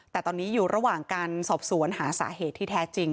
แต่ตอนนี้อยู่ระหว่างการสอบสวนหาสาเหตุที่แท้จริง